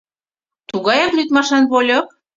— Тугаяк лӱдмашан вольык?